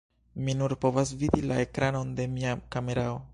Mi nur povas vidi la ekranon de mia kamerao